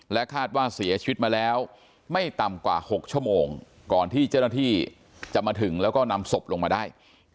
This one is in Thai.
คาดว่าเสียชีวิตมาแล้วไม่ต่ำกว่า๖ชั่วโมงก่อนที่เจ้าหน้าที่จะมาถึงแล้วก็นำศพลงมาได้